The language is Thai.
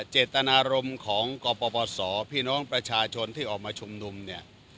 เจตนารมณ์ของกปศพี่น้องประชาชนที่ออกมาชุมนุมเนี่ย